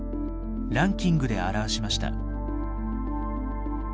ランキングで表しました。